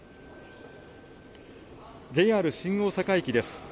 ＪＲ新大阪駅です。